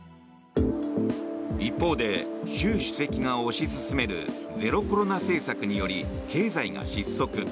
一方で、習主席が推し進めるゼロコロナ政策により経済が失速。